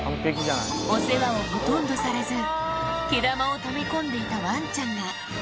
お世話をほとんどされず、毛玉をため込んでいたワンちゃんが。